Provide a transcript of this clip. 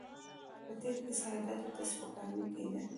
په تېر کې سرحداتو ته سپکاوی کېده.